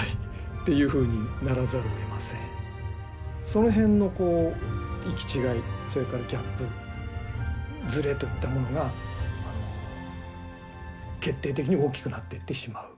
その辺のこう行き違い、それからギャップ、ずれといったものが決定的に大きくなっていってしまう。